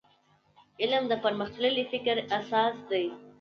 علم د پرمختللي فکر اساس دی.